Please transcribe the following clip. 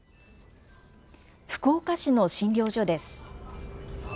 福岡市の診療所です。